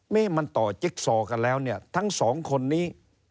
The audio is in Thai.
นี่มันต่อจิ๊กซอกันแล้วเนี่ยทั้งสองคนนี้